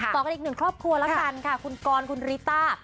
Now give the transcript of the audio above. ต่อกันอีกหนึ่งครอบครัวแล้วกันค่ะคุณกรคุณริต้า